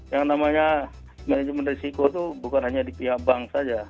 yang namanya manajemen risiko itu bukan hanya di pihak bank saja